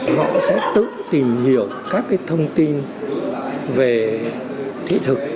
họ sẽ tự tìm hiểu các thông tin về thị thực